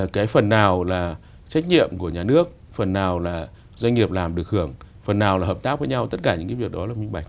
cái phần nào là trách nhiệm của nhà nước phần nào là doanh nghiệp làm được hưởng phần nào là hợp tác với nhau tất cả những cái việc đó là minh bạch